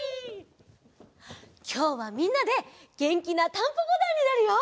きょうはみんなでげんきな「タンポポだん」になるよ！